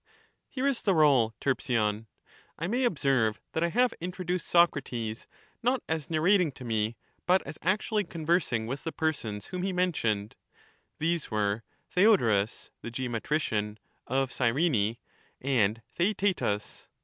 Here is the roll, Terpsion; I may observe that I have introduced Socrates, not as narrating to me, but as actually conversing with the persons whom he mentioned — these were, Theodorus the geometrician (of Cyrene), and Theaetetus.